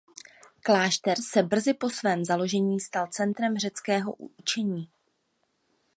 Klášter se brzy po svém založení stal centrem řeckého učení.